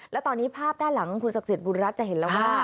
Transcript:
และตอนนี้ภาพด้านหลังคุณศักดิ์สิทธิบุญรัฐจะเห็นแล้วว่า